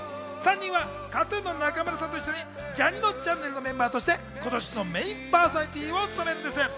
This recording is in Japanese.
３人はＫＡＴ−ＴＵＮの中丸さんと一緒に『ジャにのちゃんねる』のメンバーとして今年のメインパーソナリティーを務めるんです。